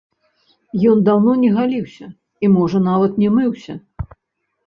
Ён даўно не галіўся і можа нават не мыўся.